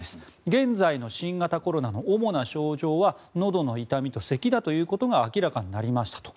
現在の新型コロナの主な症状はのどの痛みとせきだということが明らかになりましたと。